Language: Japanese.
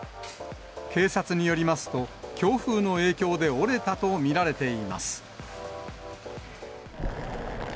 警察によりますと、強風の影響で折れたと見られています。